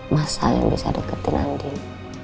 masalah yang bisa deketin andin